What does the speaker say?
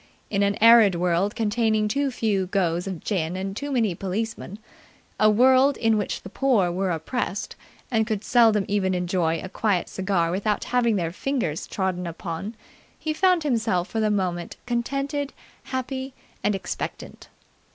In an arid world containing too few goes of gin and too many policemen, a world in which the poor were oppressed and could seldom even enjoy a quiet cigar without having their fingers trodden upon, he found himself for the moment contented, happy, and expectant.